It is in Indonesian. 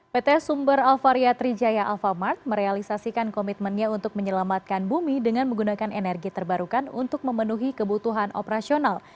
pt sumber alvaria trijaya alfamart merealisasikan komitmennya untuk menyelamatkan bumi dengan menggunakan energi terbarukan untuk memenuhi kebutuhan operasional